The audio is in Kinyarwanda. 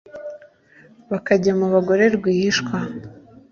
bakajya mu bagore rwihishwa